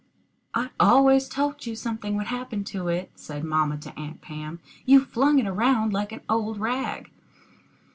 "I always told you something would happen to it," said mamma to Aunt Pam. "You flung it around like an old rag."